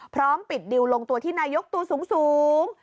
พร้อมปิดดิวลงตัวที่นายกตัวสูง